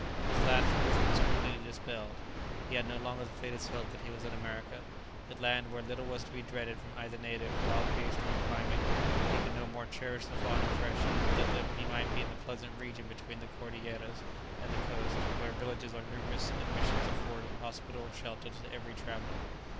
His last illusion was completely dispelled. He had no longer the faintest hope that he was in America, that land where little was to be dreaded from either native, wild beast, or climate; he could no more cherish the fond impression that he might be in the pleasant region between the Cordilleras and the coast, where villages are numerous and missions afford hospitable shelter to every traveller.